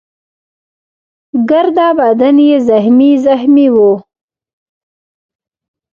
ګرده بدن يې زخمي زخمي وو.